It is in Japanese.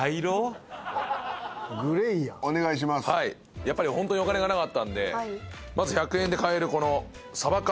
やっぱりホントにお金がなかったんでまず１００円で買えるこのサバ缶。